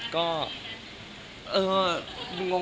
ก็เออ